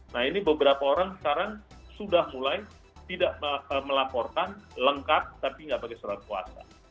nah ini beberapa orang sekarang sudah mulai tidak melaporkan lengkap tapi nggak pakai surat kuasa